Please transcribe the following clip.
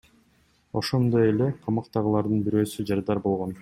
Ошондой эле камактагылардын бирөөсү жарадар болгон.